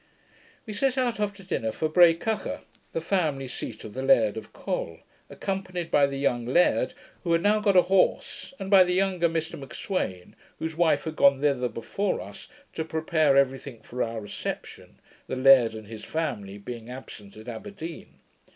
We set out after dinner for Breacacha, the family seat of the Laird of Col, accompanied by the young laird, who had now got a horse, and by the younger Mr M'Sweyn, whose wife had gone thither before us, to prepare every thing for our reception, the laird and his family being absent at Aberdeen.